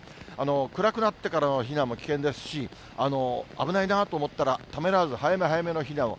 暗くなってからの避難も危険ですし、危ないなと思ったら、ためらわず、早め早めの避難を。